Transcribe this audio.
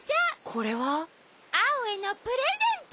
これは？アオへのプレゼント！